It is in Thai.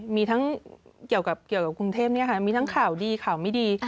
มีทั้งเกี่ยวกับกรุงเทพมีทั้งข่าวดีข่าวไม่ดี